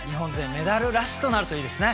メダルラッシュとなるといいですね。